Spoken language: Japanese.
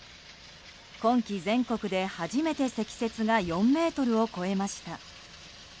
今季、全国で初めて積雪が４ｍを超えました。